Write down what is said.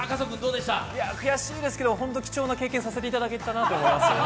悔しいですけど、ホント貴重な経験させていただけたなと思います。